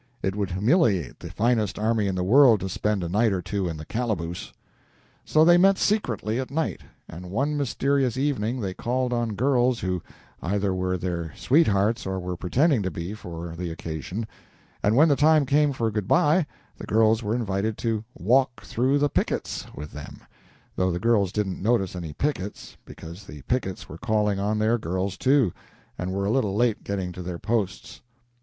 It would humiliate the finest army in the world to spend a night or two in the calaboose. So they met secretly at night, and one mysterious evening they called on girls who either were their sweethearts or were pretending to be for the occasion, and when the time came for good by the girls were invited to "walk through the pickets" with them, though the girls didn't notice any pickets, because the pickets were calling on their girls, too, and were a little late getting to their posts.